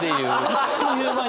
あっという間に。